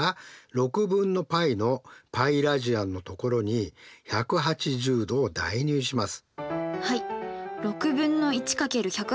４分の５πのπラジアンのところに１８０°を代入します。